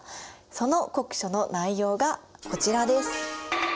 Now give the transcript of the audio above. その国書の内容がこちらです。